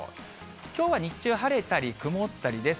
きょうは日中、晴れたり曇ったりです。